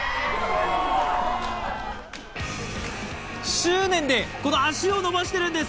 執念で足を伸ばしているんです！